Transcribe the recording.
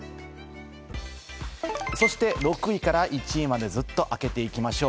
そして６位から１位までずっと開けていきましょう。